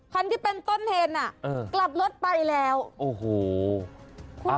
คันที่เป็นต้นเหตุน่ะเออกลับรถไปแล้วโอ้โห